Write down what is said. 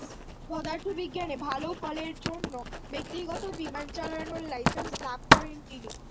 পদার্থবিজ্ঞানে ভালো ফলের জন্য ব্যক্তিগত বিমান চালানোর লাইসেন্স লাভ করেন তিনি।